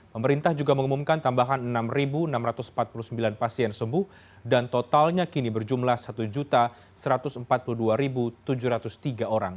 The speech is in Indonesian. pemerintah juga mengumumkan tambahan enam enam ratus empat puluh sembilan pasien sembuh dan totalnya kini berjumlah satu satu ratus empat puluh dua tujuh ratus tiga orang